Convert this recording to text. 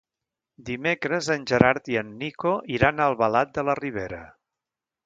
Dimecres en Gerard i en Nico iran a Albalat de la Ribera.